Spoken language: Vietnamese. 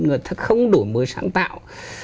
người ta sẽ không đổi mới sáng tạo